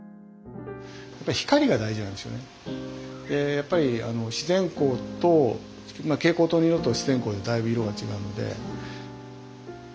やっぱり自然光とまあ蛍光灯の色と自然光とでだいぶ色が違うので。